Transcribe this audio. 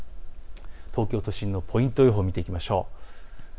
東京都心のポイント予報を見ていきましょう。